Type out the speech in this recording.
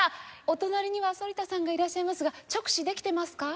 お隣には反田さんがいらっしゃいますが直視できてますか？